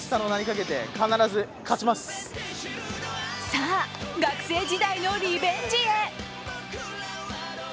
さあ、学生時代のリベンジへ。